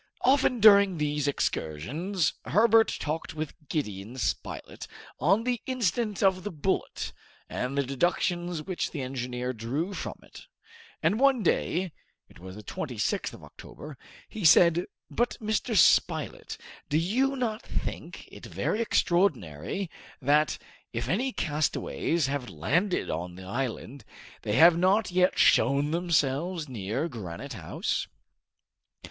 Often during these excursions, Herbert talked with Gideon Spilett on the incident of the bullet, and the deductions which the engineer drew from it, and one day it was the 26th of October he said "But, Mr. Spilett, do you not think it very extraordinary that, if any castaways have landed on the island, they have not yet shown themselves near Granite House?"